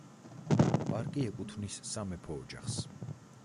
პარკი ეკუთვნის სამეფო ოჯახს.